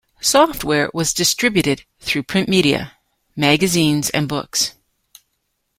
Software was distributed through print media; magazines and books.